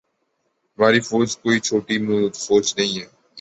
ہماری فوج کوئی چھوٹی فوج نہیں ہے۔